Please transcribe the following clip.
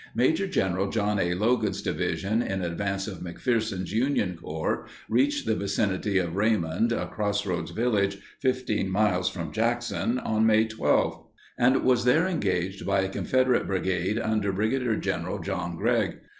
Maj. Gen. John A. Logan's Division, in advance of McPherson's Union Corps, reached the vicinity of Raymond, a crossroads village 15 miles from Jackson on May 12, and was there engaged by a Confederate brigade under Brig. Gen. John Gregg.